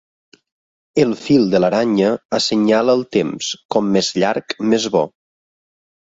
El fil de l'aranya assenyala el temps: com més llarg, més bo.